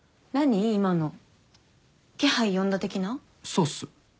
そうっす。